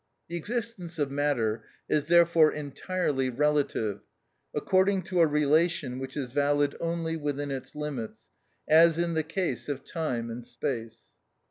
The existence of matter is therefore entirely relative, according to a relation which is valid only within its limits, as in the case of time and space.